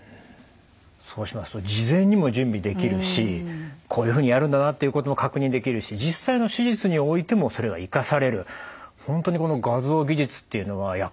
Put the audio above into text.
そうしますと事前にも準備できるしこういうふうにやるんだなっていうことも確認できるし実際の手術においてもそれは生かされる本当にこの画像技術っていうのは役立ってるんですね。